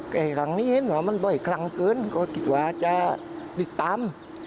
ทางนี้เห็นเหรอมันบ่อยคลั่งเกินก็ติดตาม